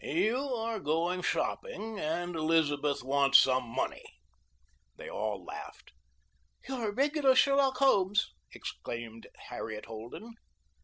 "You are going shopping, and Elizabeth wants some money." They all laughed. "You're a regular Sherlock Holmes!" exclaimed Harriet Holden.